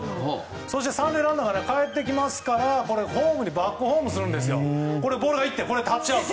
そして、３塁ランナーがかえってきますからホームにバックホームでボールがいってタッチアウト。